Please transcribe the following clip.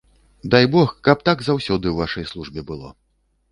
Дай бог, каб так заўсёды ў вашай службе было.